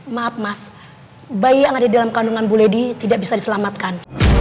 maaf mas bayi yang ada di dalam kandungan buledi tidak bisa diselamatkan